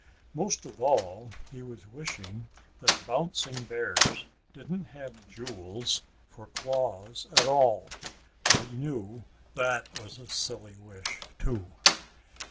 Most of all he was wishing that bouncing bears didn't have jewels for claws at all. But he knew that was a silly wish, too.